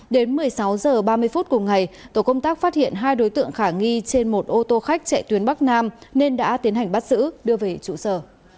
đến một mươi sáu h ba mươi phút cùng ngày tổ công tác phát hiện hai đối tượng khả nghi trên một ô tô khách chạy tuyến bắc nam nên đã tiến hành bắt giữ đưa về trụ sở